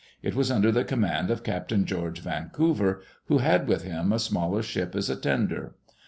It was under the command of Captain George Vancouver, who had with him a smaller ship as a tender.